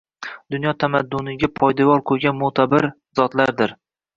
Dunyo tamadduniga poydevor qoʻygan moʻtabar zotlardir